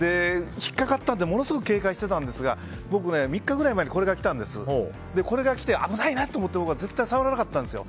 引っかかったのでものすごい警戒してたんですが僕、３日くらい前にこれが来て危ないなと思って絶対触らなかったんですよ。